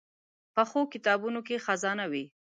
پخو کتابونو کې خزانه وي